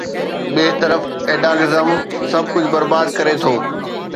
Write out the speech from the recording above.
ٻئي طرف ايڊهاڪزم، سڀ ڪجهه برباد ڪري ٿو.